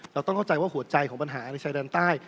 เราต้องเข้าใจว่าหัวใจของปัญหาในชายแดนใต้